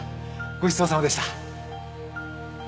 ごちそうさまでした。